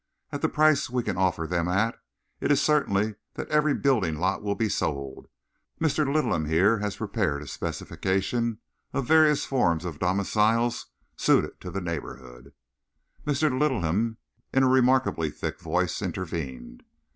At the price we can offer them at, it is certain that every building lot will be sold. Mr. Littleham here has prepared a specification of various forms of domiciles suited to the neighbourhood." Mr. Littleham, in a remarkably thick voice, intervened.